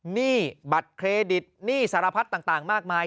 หนี้บัตรเครดิตหนี้สารพัดต่างมากมาย